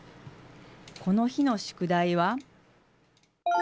この日の宿題は。